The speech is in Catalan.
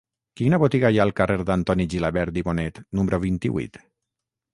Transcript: Quina botiga hi ha al carrer d'Antoni Gilabert i Bonet número vint-i-vuit?